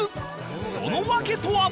その訳とは？